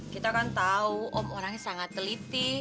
kalian tahu om orangnya sangat teliti